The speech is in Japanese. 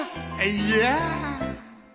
いや